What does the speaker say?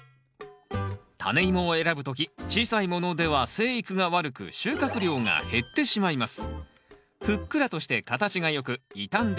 タネイモを選ぶ時小さいものでは生育が悪く収穫量が減ってしまいます